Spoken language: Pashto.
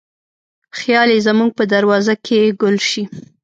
خیال یې زموږ په دروازه کې ګل شي